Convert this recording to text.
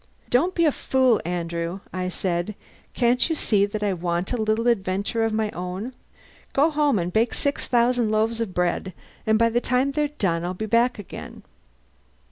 "Don't be a fool, Andrew" I said. "Can't you see that I want a little adventure of my own? Go home and bake six thousand loaves of bread, and by the time they're done I'll be back again.